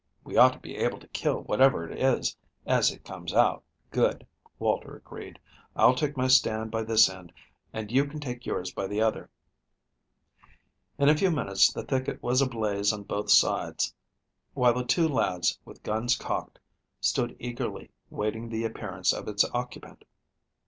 We ought to be able to kill whatever it is as it comes out." "Good," Walter agreed. "I'll take my stand by this end, and you can take yours by the other." In a few minutes the thicket was ablaze on both sides, while the two lads, with guns cocked, stood eagerly waiting the appearance of its occupant.